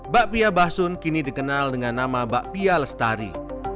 bakpia basun kini dikenal dengan nama bakpia lestari